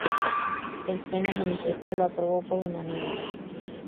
El pleno municipal lo aprobó por unanimidad.